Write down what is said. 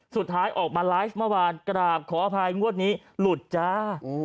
สุดท้ายออกมาไลฟ์เมื่อวานกราบขออภัยงวดนี้หลุดจ้า